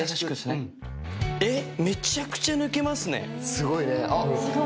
すごいね。